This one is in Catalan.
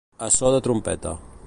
A so de trompeta.